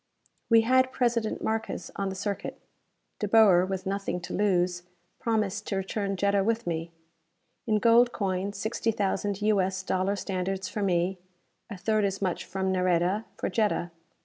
We had President Markes on the circuit. De Boer, with nothing to lose, promised to return Jetta with me. In gold coin, sixty thousand U. S. dollar standards for me; a third as much from Nareda, for Jetta.